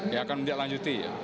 ya akan dia lanjuti ya